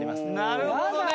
なるほどね。